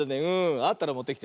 あったらもってきて。